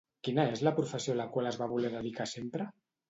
Quina és la professió a la qual es va voler dedicar sempre?